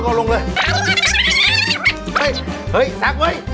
เออดี